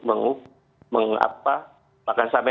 mengapa bahkan sampai